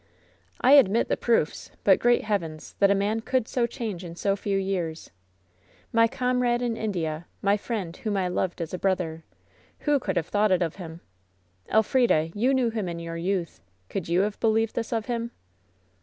"I admit the proofs ; but, great heavens, that a man could so change in so few years ! My comrade in India ! My friend, whom I loved as a brother! Who could 964 LOVE'S BITTEREST CUP have thoup^ht it of him ? Elf rida, you knew him in your youth. Could you have believed this of him